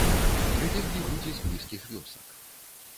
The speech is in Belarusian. Прыбеглі людзі з блізкіх вёсак.